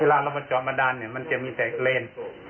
เวลาเรามาจอดมาดันมันจะมีแต่เลน